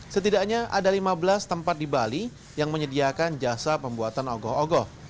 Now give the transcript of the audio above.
setidaknya ada lima belas tempat di bali yang menyediakan jasa pembuatan ogoh ogoh